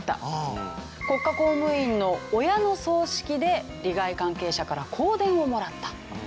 国家公務員の親の葬式で利害関係者から香典をもらった。